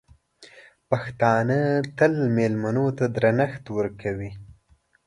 پښتانه تل مېلمنو ته درنښت ورکوي.